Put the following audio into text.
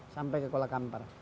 sampai ke kuala kampar